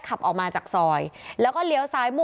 กระทั่งตำรวจก็มาด้วยนะคะ